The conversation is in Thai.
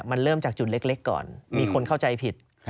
มันเริ่มจากจุดเล็กก่อนมีคนเข้าใจผิด